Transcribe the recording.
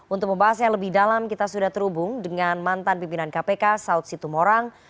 untuk membahas yang lebih dalam kita sudah terhubung dengan mantan pimpinan kpk saud situ morang